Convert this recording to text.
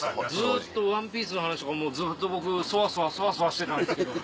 ずっと『ＯＮＥＰＩＥＣＥ』の話とかずっと僕そわそわそわそわしてたんですけど。